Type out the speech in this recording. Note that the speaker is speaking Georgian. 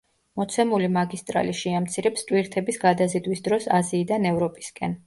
მოცემული მაგისტრალი შეამცირებს ტვირთების გადაზიდვის დროს აზიიდან ევროპისკენ.